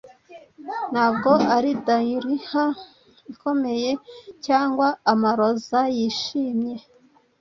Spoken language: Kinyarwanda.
ntabwo ari dahliya ikomeye cyangwa amaroza yishimye